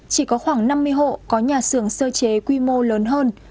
chỉ có khoảng năm mươi hộ có nhà xưởng sơ chế quy mô lớn hơn